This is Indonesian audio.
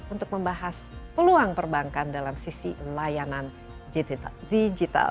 untuk membahas peluang perbankan dalam sisi layanan digital